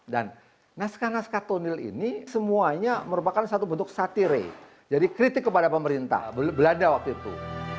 dan naskah naskah tonil ini semuanya merupakan satu bentuk satire jadi kritik kepada pemerintah belanda waktu itu